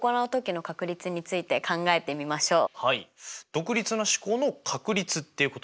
独立な試行の確率っていうことですか？